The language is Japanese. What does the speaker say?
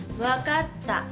分かった。